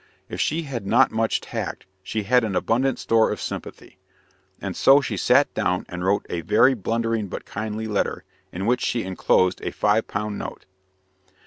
If she had not much tact, she had an abundant store of sympathy; and so she sat down and wrote a very blundering but kindly letter, in which she enclosed a five pound note.